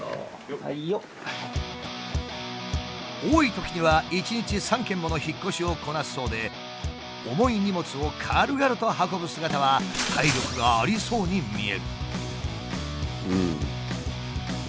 多いときには一日３件もの引っ越しをこなすそうで重い荷物を軽々と運ぶ姿は体力がありそうに見える。